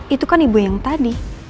itu kan ibu yang tadi